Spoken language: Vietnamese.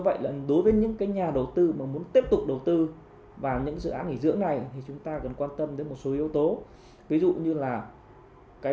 và nhà đầu tư nên cân nhắc